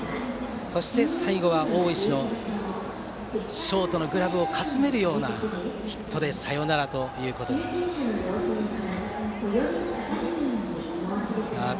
そして最後は大石のショートのグラブをかすめるようなヒットで、サヨナラとなりました。